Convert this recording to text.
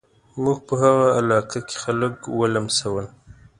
موږ په هغه علاقه کې خلک ولمسول.